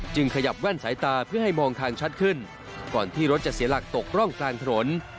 ขยับแว่นสายตาเพื่อให้มองทางชัดขึ้นก่อนที่รถจะเสียหลักตกร่องกลางถนน